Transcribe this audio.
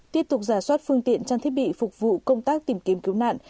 tiếp tục giả soát phương tiện trang thiết bị phục vụ công tác tìm kiếm cứu nạn